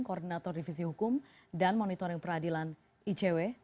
koordinator divisi hukum dan monitoring peradilan icw